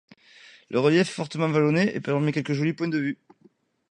Le relief est fortement vallonné et permet quelques jolis points de vue.